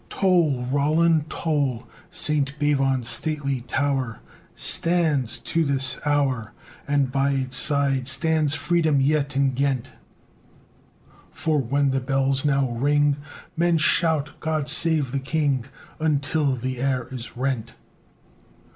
IV Toll! Roland, toll! St. Bavon's stately tower Stands to this hour, And by its side stands Freedom yet in Ghent; For when the bells now ring, Men shout, "God save the King!" Until the air is rent!